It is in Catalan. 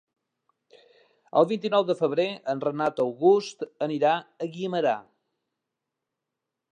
El vint-i-nou de febrer en Renat August anirà a Guimerà.